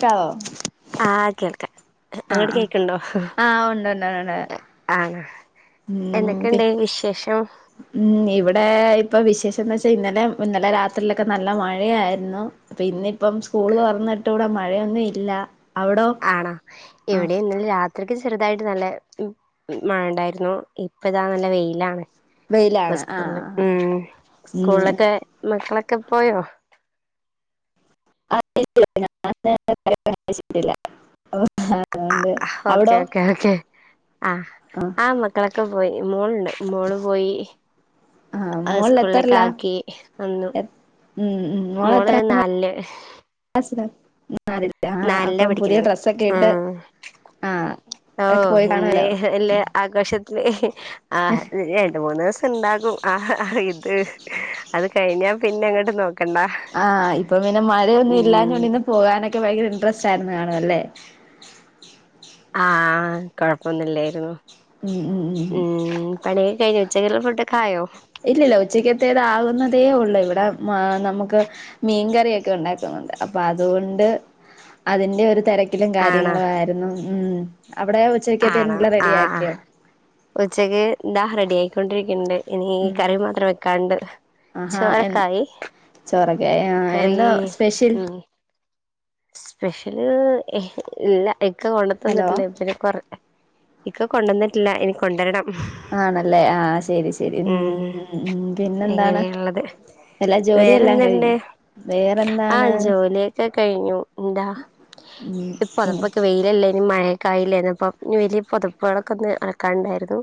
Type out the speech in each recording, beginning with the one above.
ക്കവേ ആഹ് കേൾക്ക ആഹ് ആഹ് ആഹ് ഉണ്ട്ണ്ട്ണ്ട് ആണ എന്തേക്കെണ്ട് വിശേഷം ഉം ഇവിടെ ഇപ്പോ വിശേഷംന്ന് വെച്ചാ ഇന്നലെ ഇന്നലെ രാത്രിയിൽ ഒക്കെ നല്ല മഴയായിരുന്നു അപ്പം ഇന്നിപ്പം സ്കൂൾ തോർന്നിട്ട് ഇവ്ടെ മഴയൊന്നും ഇല്ല അവിടോ ആണോ ആഹ് ഇവിടേം ഇന്നല രാത്രിക്ക് ചെറുതായിട്ട് നല്ല മഴണ്ടായിര്ന്നു ഇപ്പതാ നല്ല വെയിലാണ് ഇപ്പോ വെയിലാണ് ആഹ് സ്കൂൾല് ഉം ആഹ് ഉം സ്കൂള്ലൊക്കെ മക്കളൊക്കെ പോയോ [unintelligible] അതോണ്ട് ഓക്കെ ഓക്കെ ഓക്കെ ആഹ് ആഹ് മ ക്കളൊക്കെ പോയി മോൾണ്ട് മോള് പോയി ആഹ് മോള് സ്കൂള്ലേക്ക് എത്രയിലാ ആക്കി വന്നു മോൾ നാല്ൽ സിലാ [unintelligible] ആ നാലിലാ അപ്പം പുതിയ പഠിക്കുന്നത് ഡ്രെസ്സൊക്കെ ഇട്ട് ആഹ് ഒക്കെ പോയി ഓഹ് ഇന്ന് കാണുവല്ലോ വല്ല്യ ആഘോഷത്തില് ആഹ് രണ്ട് മൂന്ന് ദിവസ ണ്ടാകും ആഹ് ഇത് അത് കഴിഞ്ഞാ പിന്നെ ങ്ങട്ട് നോക്കണ്ട ആഹ് ഇപ്പോ പിന്നെ മഴയൊന്നും ഉം ഇല്ലാഞ്ഞോണ്ട് ഇന്ന് പോകാനൊക്കെ ഭയങ്കര ഇൻട്രസ്റ്റ് ആയിരുന്നു കാണു അല്ലേ ആഹ് കൊഴപ്പൊന്നും ഇല്ലായിരുന്നു ഉം ഉം ഉം ഉം പണി കഴിഞ്ഞോ ഉച്ചക്കേക്ക്ള്ള ഫുടൊക്കയോ ഇല്ല ഇല്ല ഉച്ചക്കത്തേത് ആകുന്നതേ ഉള്ളൂ ഇവ്ടെ മാ നമുക്ക് മീൻകറിയൊക്കെ ഉണ്ടാക്കുന്നുണ്ട് അപ്പോ അതുകൊണ്ട് അതിന്റെ ഒരു തെര ക്കിലും ആണോ കാര്യങ്ങളും ആയ്ര്ന്നു ഉം അവിടെ ആണോ ഉച്ചക്കത്തെൽന്ള്ളെ ആഹ് ആഹ് റെഡിയാക്കിയോ ഉച്ചക്ക് താ റെഡിയായിക്കൊണ്ടിരിക്കുന്ന്ണ്ട് ഇനീ ഉം കറി മാത്രം വെക്കാൻണ്ട് ആഹാ എ ചോറൊക്കായി ചോറൊക്കെ ആ കറി എന്താ സ്പെഷ്യൽ ഉം സ്പെഷ്യല് ഇല്ല ഇക്ക കൊണ്ട് ഹലോ ത്തന്നിട്ടില്ലേ പിന്നെ കൊറ ഇക്ക കൊണ്ടന്നിട്ടില്ല ഇനി കൊണ്ടരണം ആണല്ലേ ആഹ് ശരി ശരി ഉം ഉം പിന്നെന്താണ് ത് എല്ലാ ജോലിയെല്ലാം വേറെന്ത്ണ്ട് കഴിഞ്ഞോ വേറെന്താണ് ആഹ് ജോലിയൊക്കെ കഴിഞ്ഞു എന്താ ഉം ഈ ഉം പൊതപ്പൊക്കെ വെ - കയിലല്ലേ ഇനി മഴയൊക്കായില്ലോ [unintelligible] വെയിലല്ലേ ഇനിമഴേക്കായില്ലേഇനിപ്പൊ വലിയ പൊതപ്പുകളൊക്കെ ഒന്ന് അലക്കാ ണ്ടായിരുന്നു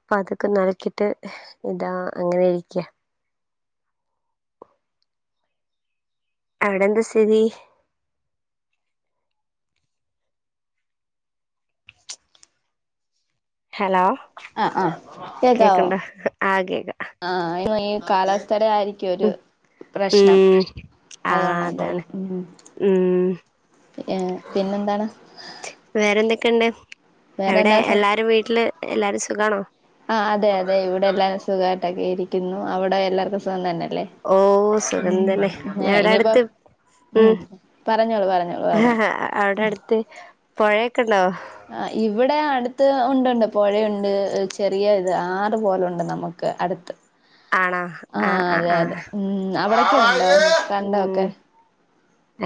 അപ്പൊ അതൊക്കെ ഒന്ന് അലക്കിട്ട് ഇതാ അങ്ങനെ ഇരിക്യാ ആവിടെന്താ സ്ഥിതി ഹലോ ആഹ് ആഹ് കേക്കാവോ കേക്ക്ണ്ടാ ആ കേക്ക ആഹ് അയ്ന് ഈ കാലാവസ്ഥേര ആയിരിക്കും ഒരു പ്രശ്നം ഉം ആ അതുകൊണ്ടാ അതാണ് തോന്നും ഉം ഉ ഏഹ് പിന്നെന്താണ് വേറെന്തൊക്കെണ്ട് വേറെ എവിടെ എന്താ സം എല്ലാരും വീട്ടില് എല്ലാരും സുഖാണോ ആഹ് അതെ അതെ ഇവിടെ എല്ലാരും സുഖായിട്ടൊക്കെ ഇരിക്കുന്നു അവിടെ എല്ലർക്കും സുഖം തന്നെല്ലേ ഓ സുഖം തന്നെ ഞങ്ങടെ ഇനിയിപ്പോ അടുത്ത് ഉം പറഞ്ഞോളൂ പറഞ്ഞോളൂ പറഞ്ഞോളൂ അവിടെ അടുത്ത് പൊ ഴയൊക്കെ ഉണ്ടോ ആ ഇവിടെ അടുത്ത് ഒണ്ട് ഒണ്ട് പൊഴയുണ്ട് ചെറിയ ഇത് ആറ് പോലുണ്ട് നമു ക്ക് അടുത്ത് ആണാ ആഹ് അതെ അതെ ആഹ് ഉം അവിടൊക്കെ ഉണ്ടോ ആഹ് ഉം കണ്ടമൊക്കെ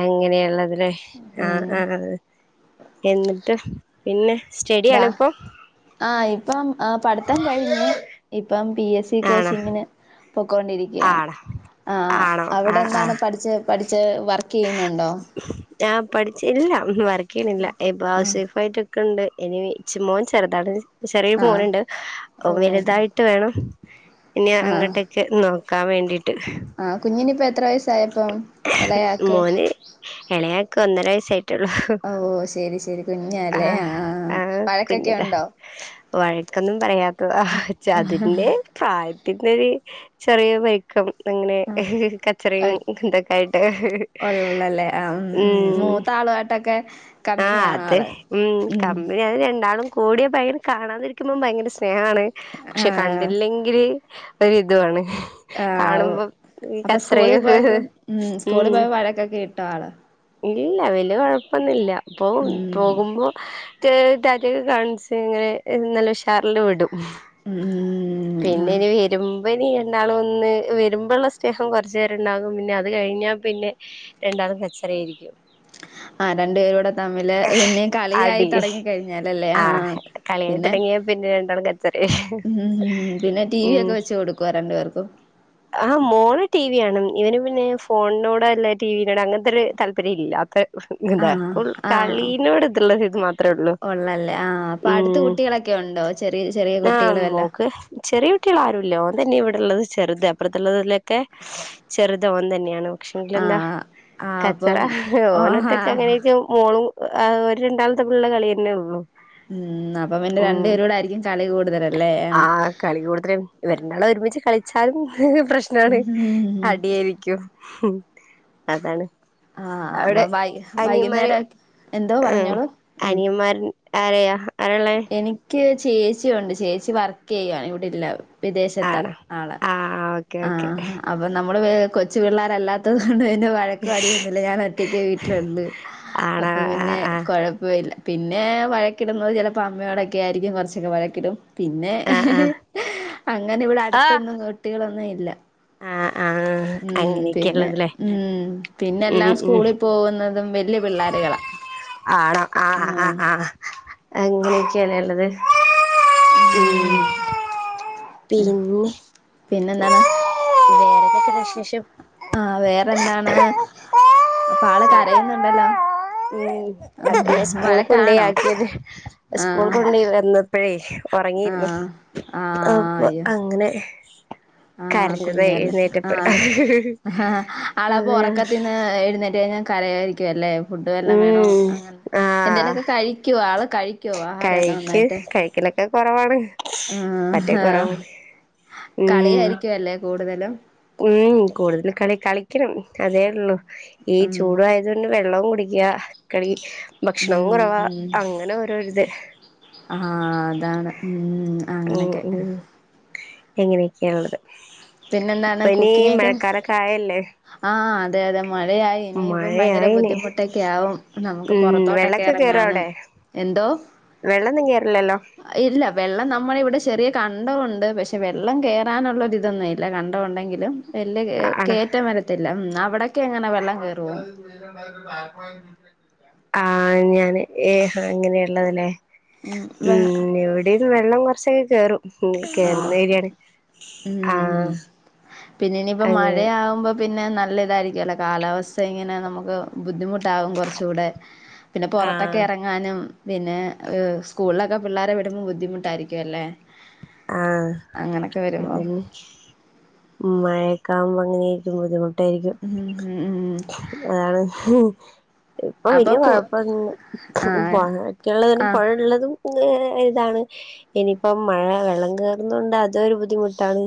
അങ്ങനെ ഉള്ളത് ലെ ആഹ് ഉം ആഹ് എന്നിട്ട് പിന്നെ ദാ സ്റ്റഡിയാണോ ഇപ്പൊ ആഹ് ഇപ്പം ആ പഠ്ത്തം കഴിഞ്ഞു ഇപ്പം പി എസ് സി ആണോ കോച്ചിങ്ങിന് പൊക്കോ ണ്ടിരിക്കാണ് ആണോ ആ ആണോ ആഹ് അവിടെന്താണ് ആഹ് പഠിച്ചത് പഠിച്ച് വർക്കെയ്യുന്നുണ്ടൊ ആഹ് പഠിച്ച് ഇല്ല വർക്ക് ചെയ്യ്ണില്ല ഇപ്പ ഹൗസ് ആഹ് വൈഫായിട്ട് ഇക്ക്ണ്ട് ഇനി ഇച്ച് മോൻ ചെറുതാണ് ചെറിയ ആഹ് മോന്ണ്ട് ഓ വലുതായി ട്ട് വേണം ഇനി ആഹ് അങ്ങോട്ടൊക്കെ നോക്കാൻ വേണ്ടീട്ട് ആഹ് കുഞ്ഞിന് ഇപ്പം എത്ര വയസ്സായപ്പം ഇളയാക്ക് മോന് എളയാക്ക് ഒന്നര വയസ്സായിട്ടുള്ളൂ ഓഹ് ശരി ശരി കുഞ്ഞല്ലേ ആഹ് ആഹ് വഴക്കൊക്കെ കുഞ്ഞില്ല ഉണ്ടോ വഴക്കൊന്നും പറയാ അതിന്റെ പ്രായത്തിന്റെ ഒരു ചെറിയ വൈ യിക്കം അങ്ങനെ ആഹ് കച്ചറയുംഇതൊ ക്കായിട്ട് ഉം താളു ആയിട്ടൊക്കെ കമ്പനിയാണ് അതെ ഉം കമ്പനിയാണ് രണ്ടാളും കൂടിയ ഭയങ്കര കാണാതിരിക്കുമ്പം ഭയങ്കര സ്നേഹാണ് പക്ഷെ ആഹ് കണ്ടില്ലെങ്കില് ഒരിതുവാണ് ആഹ് കാണുമ്പൊ അപ്പൊ സ്കൂളിൽ കച്ചറയും പോയപ്പോ സ്കൂളിൽ ഉം പോയപ്പോ വഴക്കൊക്കെ ഇട്ടോ ആള് ഇല്ല വല്ല്യ കൊഴപ്പൊന്നില്ല ഇപ്പൊ ഉം ഇപ്പൊ ചെറിയ റ്റാറ്റേക്കെ കാണിച്ച് ഇങ്ങനെ നല്ല ഉഷാറില് വിടും ഉം പിന്നെ ആഹ് ഇനി വരുമ്പനി രണ്ടാളും ഒന്ന് വരുമ്പോള്ള സ്നേഹം കൊറച്ച് നേരണ്ടാകും പിന്നെ അത് കഴിഞ്ഞാ പിന്നെ രണ്ടാളും കച്ചറേയിരിക്കും ആഹ് രണ്ട് പേരുടെ തമ്മില് പിന്നേം കളിയായി അടി തൊടങ്ങി കഴിഞ്ഞാലല്ലേ ആഹാ ആഹ് കളിയായി തൊടങ്ങിയാ പിന്നെ രണ്ടാളും കച്ചറയായി ഉം ഉം പിന്നെ ടി വി യൊക്കെ വെച്ച് കൊടുക്കോ രണ്ട് പേർക്കും ആഹ് മോള് ടി വി കാണും ഇവന് പിന്നെ ഫോണിനോട് അല്ല ടി വിനോട് അങ്ങനത്തെരു താല്പര്യയില്ലാത്രെ എന്താ ആഹ് ഫുൾ കളീനോട് ഇതള്ളൊര്ത് മാത്രേയൊള്ളൂ ഒള്ളല്ലേ? ആ അപ്പൊ അടുത്ത് കുട്ടികളൊക്കെയുണ്ടോ? ചെറിയ ചെറിയ ആഹ് കുട്ടികള് വല്ലാ മോക്ക് ചെറിയ കുട്ടികളാരുല്ല ഓന് തന്നെ ഇവിടെള്ളത് ചെറുത് അപ്പുറത്ത്ള്ളതിലൊക്കെ ചെറ്ത് ഓൻ തന്നെയാണ്. പക്ഷേങ്കിലെന്താ ആഹ് ആഹ് കച്ചറ അപ്പം ഓഹ് ഓനൊറ്റക്ക്‌ അങ്ങനയെക്കെ മോളും ഒര് രണ്ടാളും തമ്മിലുള്ള കളിയെന്നൊള്ളു. ഉം അപ്പം പിന്നെ രണ്ടു പേരും കൂടെ ആയിരിക്കും കളി കൂടുതലല്ലേ? ആ കളി കൂടുതല് ഇവര് രണ്ടാളും ഒരുമിച്ച് കളിച്ചാലും പ്രശ്നാണ് ഉം അടിയായിരിക്കും. ഉം അതാണ് ആഹ് അപ്പ അവിടെ വൈ അനിയന്മാര് വൈകുന്നേരക്കെ എന്തോ ഉം പറഞ്ഞോളു ഉം അനിയന്മാര് ആരെയാ ആരാള്ളെ എനി ക്ക് ചേച്ചിയുണ്ട് ചേച്ചി വർക്കെയ്യാണ് ഇവിടെയില്ലാ വിദേശത്താ ആണോ ആള് ആ ഓക്കെ ആ ഓക്കെ അപ്പ അപ്പൊ നമ്മള് കൊച്ചു പിള്ളോരല്ലാത്തത് കൊണ്ട് പിന്നെ വഴക്കും അടിയൊന്നുല്ല ഞാനൊറ്റയ്ക്കെ വീട്ടിലൊള്ളു ആണോ അപ്പ ആ പിന്നെ ആ ആ കൊഴപ്പവില്ല പിന്നെ വഴക്കിടുന്നത് ചെലപ്പോ അമ്മയോടൊക്കെയായിരിക്കും കുറച്ചൊക്കെ വഴക്കിടും. പിന്നെ ആ അങ്ങനെവിടെ ആ അടുത്തൊന്നും കുട്ടികളൊന്നുവില്ല ആ ആ ഉം പിന്നെ അങ്ങനെയൊക്കെയള്ളതല്ലേ ഉം ഉം പിന്നെല്ലാം ഉം സ്കൂളില് പോകുന്നതും വല്ല്യ പിള്ളോരുകളാ ആണോ ആ ആ ആഹ് പി ആ അങ്ങനെയെക്കേലെയ്ള്ളത്? ഉം പിന്നെ പിന്നെന്താണ് വേറെന്തൊക്കെ വിശേഷം? ആഹ് വേറെന്താണ് അപ്പാള് സുഖം കരയുന്നുണ്ടല്ലോ? ഉം മറ്റീനെ ആഹ് സ്കൂള് കൊണ്ടോയി വഴക്കാണോ ആക്കിയത് സ്കൂള് ആഹ് കൊണ്ടോയി വന്നപ്പയേ ഒറങ്ങേരുന്നു ആഹ് ആഹ് അപ്പൊ അയ്യോ അങ്ങനെ. ആഹ് കരഞ്ഞതെ കുഞ്ഞല്ലേ എഴുന്നേറ്റപ്പം ആഹ് അതെ ആ എഴുന്നേറ്റ് കയിഞ്ഞാ കരയായിരിക്കുവല്ലേ? ഫുഡ് വല്ലോം വേണോ ഉം അങ്ങനെ ആഹ് എന്തേലൊക്കെ കഴിക്കുവോ? ആള് കഴിക്കോ ആഹാരൊക്കെ കഴിക്ക് നന്നായിട്ട്? പറ്റെ കഴിക്കലൊക്കെ കൊറവാണ് പറ്റേകൊറവാണ്. കളിയായിരിക്കുവല്ലേ കൂടുതലും? ഉം കൂടുതല് കളി കളിക്കണം അതേയൊള്ളൂ ഈ ഉം ചൂടുവായ അത് പിന്നെ വെള്ളോം കുടിക്കാ കളി ഉം ഭക്ഷണവും കൊറവാ ഉം അങ്ങനോരോരിത് ആഹ് അതാണ് ഉം ഉം അങ്ങനൊക്കെ ഉം എങ്ങനെയൊക്കാണ്ള്ളത് പിന്നെന്താണ് ഇപ്പയിനി കുക്കിങ്ങൊക്കെ മഴക്കാലൊക്കെ ആയല്ലേ? ആഹ് ആ അതെയതെ മഴയായി ഇനിയിപ്പം ഭയങ്കര മഴയായിന് ബുദ്ധിമുട്ടൊക്കെയാവും നമുക്ക് ഉം പൊറത്തോട്ടൊക്കെ വെള്ളൊക്കെ കേറോ എറങ്ങാനും. അവിടെ എന്തോ? വെള്ളൊന്നും കേറില്ലല്ലോ? ഇല്ല വെള്ളം നമ്മളെവിടെ ചെറിയ കണ്ടവുണ്ട് പക്ഷെ വെള്ളം കേറാനുള്ളൊരിതൊന്നുവില്ല. കണ്ടമുണ്ടെങ്കിലും വലിയ ആണോ കെ-കേറ്റം വരത്തില്ല അവിടൊക്കെങ്ങനെ വെള്ളം കേറുവോ? ആഹ് ഞാന് ഏഹ് അങ്ങനെയുള്ളതലേ? ഉം വെ ഉം ഇവിടേം വെള്ളം കൊറച്ചൊക്കെ കേറും. ഉം ആഹ് കേറുന്നഏരിയാണ് ഉം ആഹ ഉം പിന്നെ ഇനിയിപ്പോ അങ്ങനെ. മഴയാവുമ്പോ പിന്നെ നല്ല ഇതായിരിക്കല്ലോ കാലാവസ്ഥ ഇങ്ങനെ നമുക്ക് ബുദ്ധിമുട്ടാകും കുറചൂടെ പി പിന്നെ പുറത്തൊക്കെ ആഹ് എറങ്ങാനും പിന്നെ സ്കൂളിലൊക്കെ പിള്ളേരെ വിടുമ്പോ ബുദ്ധിമുട്ടായിരിക്കും അല്ലേ. ആഹ് അങ്ങനൊക്കെ വരുമ്പോ ഉം മഴക്കെ ആവുമ്പോ അങ്ങനൊയായിരിക്കും ബുദ്ധിമുട്ടായിരിക്കും. ഉം ഉം ഉം ആണ് ഹും ഇപ്പൊ അപ്പൊ വലിയ കു കൊയപ്പൊന്നും ആഹ് പുഴൊക്കെള്ളതും ആഹ് പൊഴള്ളതും. ഏഹ ഇതാണ് ഇനിയിപ്പം മഴ വ വെള്ളം കേറുന്നത് കൊണ്ട് അതും ഒരു ബുദ്ധിമുട്ടാണ്.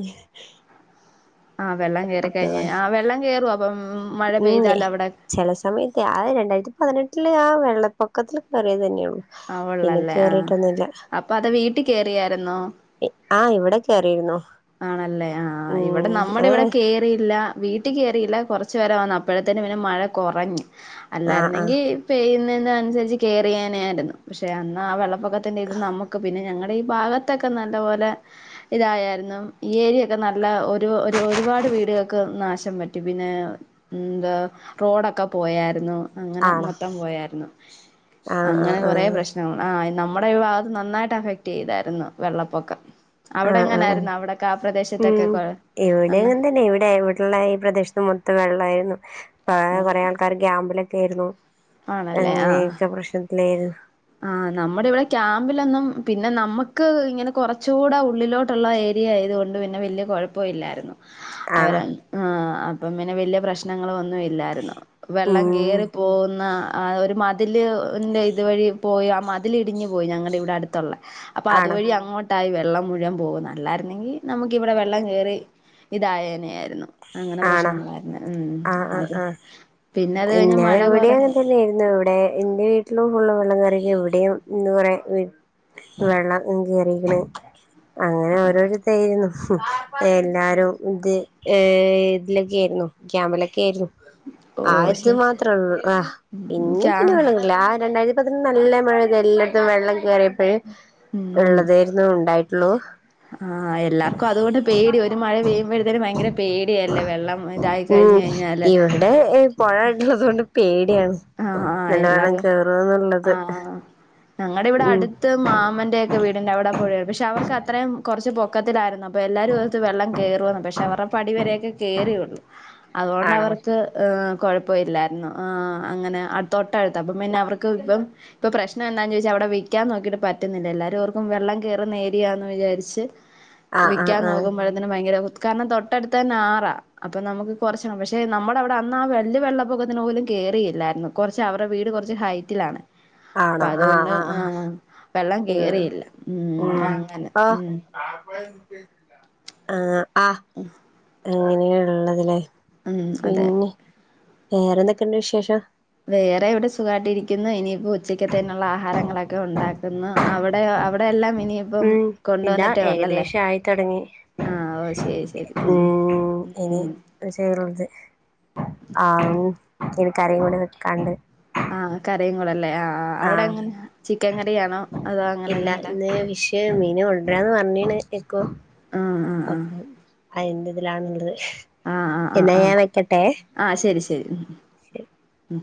ആഹ വെള്ളം കേയറിക്കഴിഞ്ഞാ ആഹ വെള്ളം കേറോ അപ്പം. മഴ പെയ്താലോ [unintelligible] അവിടെ ചെല സമയത്തെ ആഹ് രണ്ടായിരത്തി പതിനെട്ടിലെ ആഹ് വെള്ളപ്പൊക്കത്തില് കേറിയത് തന്നേ ഒള്ളു അഹ് ഒള്ളല്ലേ ആഹ് അപ്പൊ അത് വീട്ടി കേറിയാരുന്നോ ആഹ് ഇവിടെ കേറിയിരുന്നു ആണല്ലേ ആഹ് ആഹ് ഇവിടെ ഉം നമ്മുടെ ഏ ഇവിടെ കേ റില്ല വീട്ടി കേറില്ല കുറച്ച് വരെ വന്ന് അപ്പഴത്തേന് പിന്നെ മഴ കുറഞ്ഞ് ആ ആ അല്ലാരുന്നെങ്കി പെയ്യുന്നേന് അനുസരിച്ച് കേറിയേനെ ആരുന്ന് പക്ഷേ അന്ന് ആഹ് വെള്ള പ്പൊക്കത്തിന്റെ ഇത് നമുക്ക് പിന്നെ ഞങ്ങടെ ഈ ഭാഗത്തൊക്കെ നല്ല പോലെ ഇതായാരുന്ന് ഈ ഏരിയ നല്ല ഒരു ഒരു ഒരുപാട് വീടുകൾക്ക് നാശം വരു പിന്നെ എന്താ റോഡൊക്കെ പോയാരുന്നു അങ്ങനെ ആണോ മൊത്തം പോയാരുന്നു ആ ആ അങ്ങനെ കൊറേ ആഹ് നമ്മടെ ഈ ഭാഗത്ത് നന്നായിട്ട് അഫക്ട് ചെയ്താരുന്നു വെള്ളപ്പൊക്കം ആ അവിടെ ആ ആ എങ്ങനാരുന്ന് അവിടൊക്കെ ആഹ് പ്രദേശത്തൊക്കെ ഉം കൊ ഇവിടെ അന്ന് അങ്ങനെ ഇവിടെ എവിടെ ള്ളായി ഈ പ്രദേശത്ത് മൊത്തം വെള്ളായിരുന്നു ആഹ് കൊറേ ആൾക്കാര് ക്യാമ്പിലൊക്കെ ആരുന്നു അങ്ങനെയൊക്കെ പ്രശ്നത്തിലായിരുന്നു ആഹ നമ്മുടെ ഇവിടെ ക്യാമ്പിലൊന്നും പിന്നെ നമ്മുക്ക് ഇങ്ങനെ കൊറച്ചൂടെ ഉള്ളിലോട്ട് ട്ടുള്ള ഏരിയ ആയതുകൊണ്ട് പിന്നെ വല്യ കൊഴപ്പം ഇല്ലാരുന്നു അവര ആണോ ആഹ് അപ്പം പിന്നെ വല്യ പ്രശ്നങ്ങളും ഒന്നും ഇല്ലാരുന്നു വെള്ളം ഉം കേറിയപ്പോ പോകുന്ന ആഹ് ഒരു മതില്ൻ്റെ ഇതുവഴി പോയി ആഹ് മതിൽ ഇടിഞ്ഞു പോയി ഞങ്ങടെ ഇവിടെ അടുത്തൊള്ളെ അപ്പൊ ആണോ അതുവഴി അങ്ങോ ത്തായി വെള്ളം മുഴുവൻ പോകുന്ന് അല്ലാരുന്നെങ്കി നമുക്കിവിടെ വെള്ളം കയറി ഇതായേനെയാരുന്ന് അങ്ങനെ ആണോ പ്രശ്നങ്ങളാരുന്ന് ഉം ആഹ് ആഹ് അത് ആഹ് പിന്നത് കഴിഞ്ഞ് ഞാൻ മഴ ഇവിടെയും അങ്ങനെ കുറഞ്ഞ് തന്നെയായിരുന്നു ഇവിടെ എന്റെ വീട്ടിലും ഫുള്ള് വെള്ളം കേറി ഇവിടെയും എന്ന് പറയാ വെള്ളം കേറീക്കണ് അങ്ങനെ ഓരോരുത്തായിരുന്നു എല്ലാരും ഇത് ഏഹ് ഇതിലൊക്കെ ആയിരുന്നു ക്യാമ്പിലൊക്കെ ആയിരുന്നു ഓ ആഹ ഇത് ശരി മാത്രേ ഉള്ള് ആഹ് പിന്നെ പിന്നെ ക്യാ വെള്ളം ആഹ് രണ്ടായിരത്തി [unintelligible] നല്ല മഴ ഇത് എല്ലായിടത്തും വെള്ളം കയറിയപ്പഴ്‌ ഉം ഉള്ളതായിരുന്നു ഉണ്ടായിട്ടുള്ളു ആഹ് എല്ലാർക്കും അതുകൊണ്ട് പേടി ഒരു മഴ പെയ്യുമ്പഴത്തേനും ഭയങ്കര പേടിയല്ലേ വെള്ളം ഇതായി കഴിഞ്ഞ് കഴിഞ്ഞാല് ഏഹ് ഏഹ് പൊഴ അടുത്തുള്ളതുകൊണ്ട് പേടിയാണ് ആഹ് ആഹ് നല്ല വെള്ളം എല്ലാർക്കും കേറുന്നുള്ളത് ആഹ് ഞങ്ങടെ ഇവിടെ ഉം അടു ത് മാമന്റെ ഒക്കെ വീടിന്റവിടെ പുഴയൊണ്ട് പക്ഷെ അവർക്ക് അത്രയും കുറച്ച് പൊ ക്കത്തിലാരുന്നു അപ്പൊ എല്ലാരും ഓർത്ത് വെള്ളം കേറൂന്ന് പക്ഷെ അവരുടെ പടി വരെയൊക്കെ കേറിയുള്ളു അതുകൊണ്ട് ആണോ അവർക്ക് ഏഹ് കൊഴപ്പം ഇല്ലായിരുന്നു ആഹ് അങ്ങനെ തൊട്ടടുത്താ അപ്പം പിന്നെ അവർക്ക് ഇപ്പം ഇപ്പം പ്രശ്നം എന്താന്ന് ചോദിച്ചാ അവിടെ വിക്കാൻ നോക്കിട്ട് പറ്റുന്നില്ല എല്ലാരും ഓർക്കും വെള്ളം കേറുന്ന ഏരിയായന്ന് വിചാരിച്ച് [inaudible] വിക്കാൻ ആ നോക്കുമ്പഴത്തേനും ഭയങ്കര കാരണം തൊട്ടടുത്ത് തന്നെ ആറാ അപ്പം നമ്മക്ക് കുറചാവും പക്ഷെ നമ്മടെ അവിടെ അന്ന് ആഹ് വല്യ വെള്ളപ്പൊക്കത്തിന് പോലും കയറിലാ ഇല്ലാരുന്നു കുറച്ച് അവരുടെ വീട് കുറച്ച് ഹൈറ്റിലാണ് അപ്പൊ ആണോ ആ അതുകൊണ്ട് ആ ആ ആഹ് വെള്ളം ഉം കേറിയില്ല ഉം അങ്ങനെ ഉം ഉം ആഹ് അങ്ങനെയുള്ളതല്ലേ ഉം അതെ പിന്നെ വേറെന്തൊക്കെയുണ്ട് വിശേഷം വേറെ ഇവിടെ സുഖായിട്ട് ഇരിക്കുന്നു ഇനിയിപ്പോ ഉച്ചക്കത്തേന് ഉള്ള ആഹാരങ്ങളൊക്കെ ഉണ്ടാക്കുന്നു അവിടെ അവിടെ എല്ലാം ഇനി ഉം ഇല്ലാ ഏകദേശം ആയിത്തുടങ്ങി ആഹ് ഓ ശരി ശരി ഉം ഇനി ചെറുത് ആഹ് ഉം ഇനി കറിയും കൂടി വെക്കാണ്ട് ആഹ് കറിയും കൂടെല്ലേ ആഹ് ആഹ് അവിടെ എങ്ങനെ ചിക്കൻ കറിആണോ അതോ അങ്ങനെ എന്തെങ്കിലും മീൻ കൊണ്ട്രാന്ന് പറഞീന്നു ഇക്കു ആഹ് ആഹ് അപ്പൊ ആഹ് എന്ത്തിലാണ്ള്ളത് ആഹ്ആഹ്ആഹ് ആഹ് ശരി ശരി ശരി ഉം